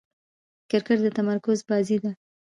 کرکټ د تمرکز بازي ده.